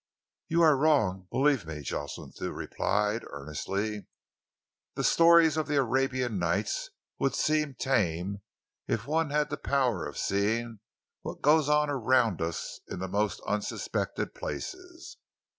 "You are wrong, believe me," Jocelyn Thew replied earnestly. "The stories of the Arabian Nights would seem tame, if one had the power of seeing what goes on around us in the most unsuspected places.